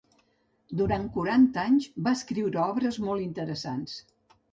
Durant quaranta anys va escriure obres molt interessants.